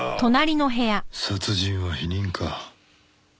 殺人は否認か。